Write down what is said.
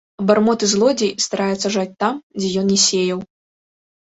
Абармот і злодзей стараецца жаць там, дзе ён не сеяў.